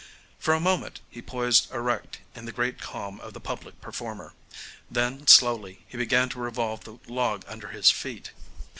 For a moment he poised erect in the great calm of the public performer. Then slowly he began to revolve the log under his feet.